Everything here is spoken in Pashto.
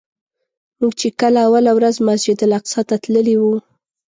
موږ چې کله اوله ورځ مسجدالاقصی ته تللي وو.